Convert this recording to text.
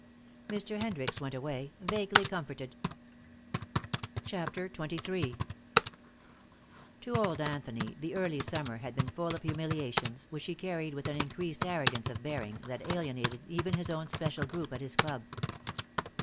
Mr. Hendricks went away, vaguely comforted. CHAPTER XXIII To old Anthony the early summer had been full of humiliations, which he carried with an increased arrogance of bearing that alienated even his own special group at his club.